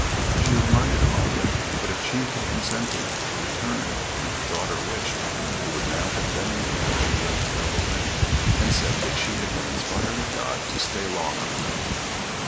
She reminded Amalia that if she had consented to return when her daughter wished, they would now have been in the cabin with those terrible men, and said that she had been inspired of God to stay long on the mountain.